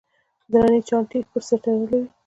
درنې چانټې یې پر سینه تړلې وې.